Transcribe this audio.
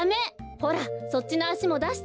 ほらそっちのあしもだして。